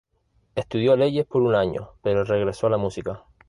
Estudió leyes por un año, pero regresó a la música.